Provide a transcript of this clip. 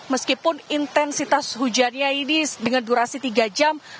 meskipun intensitas hujannya ini dengan durasi tiga jam